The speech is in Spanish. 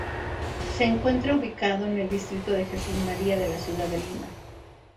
Se encuentra ubicado en el distrito de Jesús María de la ciudad de Lima.